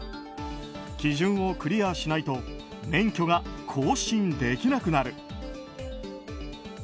基準をクリアしないと免許が更新できなくなる。